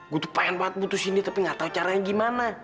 gua tuh pengen banget butuhin dia tapi ga tau caranya gimana